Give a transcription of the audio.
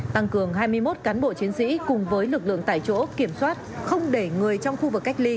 tăng cường hai mươi một cán bộ chiến sĩ cùng với lực lượng tại chỗ kiểm soát không để người trong khu vực cách ly